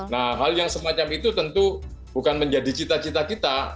nah hal yang semacam itu tentu bukan menjadi cita cita kita